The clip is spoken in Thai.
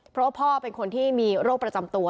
เพราะพ่อเป็นคนที่มีโรคประจำตัว